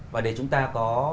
và để chúng ta có